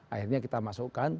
akhirnya kita masukkan